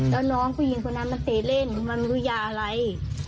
แล้วน้องผู้หญิงคนนั้นมันเตะเล่นมันรู้ยาอะไร